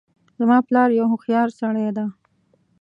زما پلار یو هوښیارسړی ده